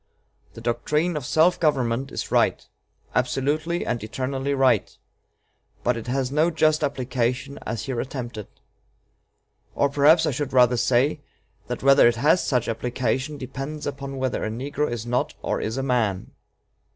The doctrine of self government is right absolutely and eternally right but it has no just application as here attempted. Or perhaps I should rather say, that whether it has such application depends upon whether a negro is not or is a man.